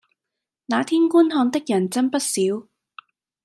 那天觀看的人真不少